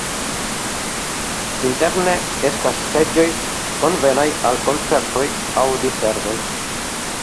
Interne estas seĝoj konvenaj al koncertoj aŭ diservoj.